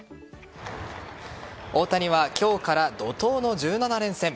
大谷は今日から怒涛の１７連戦。